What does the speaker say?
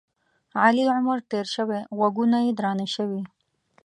علي عمر تېر شوی؛ غوږونه یې درانه شوي.